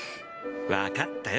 分かったよ。